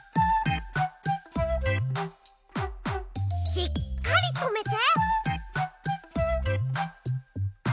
しっかりとめて。